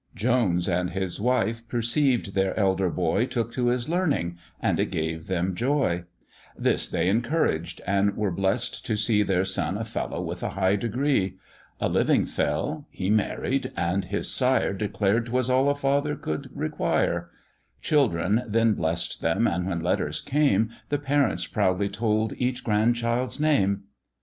Jones and his wife perceived their elder boy Took to his learning, and it gave them joy; This they encouraged, and were bless'd to see Their son a fellow with a high degree; A living fell, he married, and his sire Declared 'twas all a father could require; Children then bless'd them, and when letters came, The parents proudly told each grandchild's name.